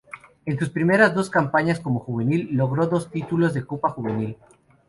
En sus primeras dos campañas como juvenil logró dos títulos de Copa juvenil.